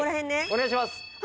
お願いします。